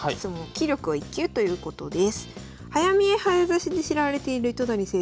棋力は１級ということです。